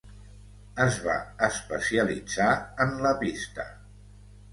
Es va especialitzar en la pista.